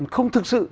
không thực sự